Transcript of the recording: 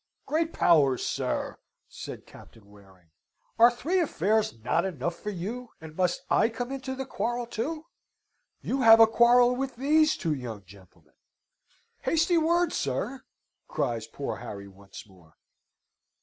"Great Powers, sir!" said Captain Waring, "are three affairs not enough for you, and must I come into the quarrel, too? You have a quarrel with these two young gentlemen." "Hasty words, sir!" cries poor Harry once more.